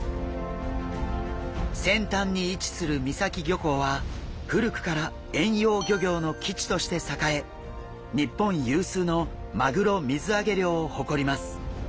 先端に位置する三崎漁港は古くから遠洋漁業の基地として栄え日本有数のマグロ水揚げ量を誇ります。